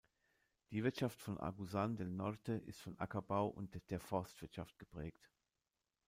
Die Wirtschaft von Agusan del Norte ist vom Ackerbau und der Forstwirtschaft geprägt.